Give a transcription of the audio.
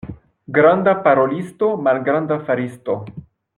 Granda parolisto, malgranda faristo.